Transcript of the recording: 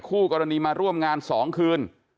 คู่กรณีมาร่วมงาน๒คืน